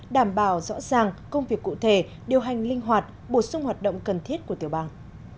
đảm bảo rõ ràng công việc cụ thể điều hành linh hoạt bổ sung hoạt động cần thiết của tiểu bang